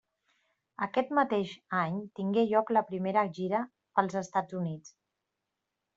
Aquest mateix any tingué lloc la seva primera gira pels Estats Units.